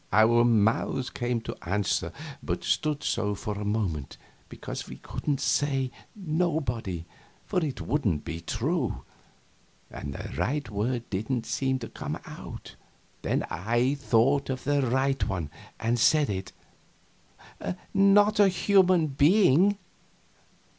Our mouths came open to answer, but stood so for a moment, because we couldn't say "Nobody," for it wouldn't be true, and the right word didn't seem to come; then I thought of the right one, and said it: "Not a human being."